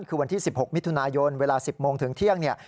คือวันที่๑๖มิถุนายนเวลา๑๐โมงถึงเที่ยงเนี่ย